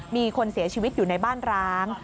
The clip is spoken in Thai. มีคนเสียชีวิตอยู่ในบ้านร้าง